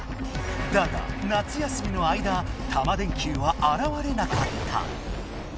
だが夏休みの間タマ電Ｑはあらわれなかった。